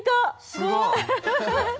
すごい！